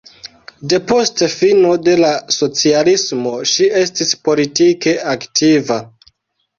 Depost fino de la socialismo ŝi estis politike aktiva.